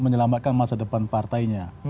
menyelamatkan masa depan partainya